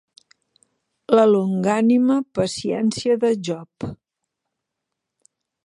La longànime paciència de Job.